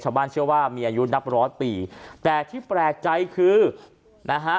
ชาวบ้านเชื่อว่ามีอายุนับร้อยปีแต่ที่แปลกใจคือนะฮะ